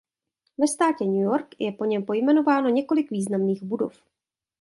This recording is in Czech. Ve státě New York je po něm pojmenováno několik významných budov.